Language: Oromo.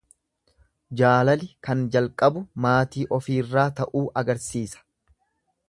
Jaalali kan jalqabu maatii ofiirraa ta'uu agarsiisa.